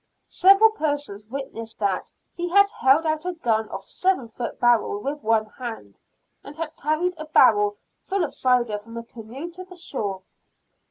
Several persons witnessed that "he had held out a gun of seven foot barrel with one hand; and had carried a barrel full of cider from a canoe to the shore."